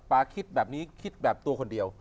คิดแบบนี้คิดแบบตัวคนเดียว